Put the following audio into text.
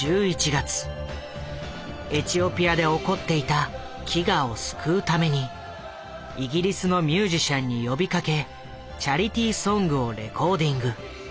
エチオピアで起こっていた飢餓を救うためにイギリスのミュージシャンに呼びかけチャリティーソングをレコーディング。